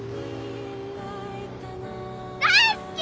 大好き！